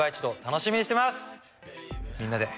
みんなで。